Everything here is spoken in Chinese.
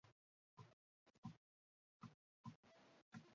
有空前绝后的支配领域之大元大蒙古国再次统一了中国汉地。